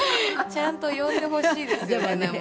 ちゃんと呼んでほしいですよね名前。